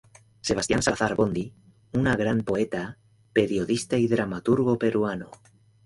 Sebastián Salazar Bondy, una gran poeta, periodista y dramaturgo peruano.